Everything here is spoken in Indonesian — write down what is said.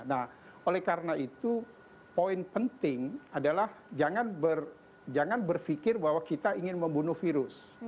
nah oleh karena itu poin penting adalah jangan berpikir bahwa kita ingin membunuh virus